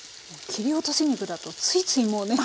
切り落とし肉だとついついもうね。